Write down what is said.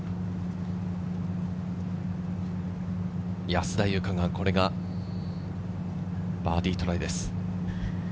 安田祐香が、これがバーディートライです。